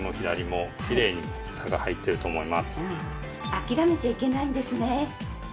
諦めちゃいけないんですね。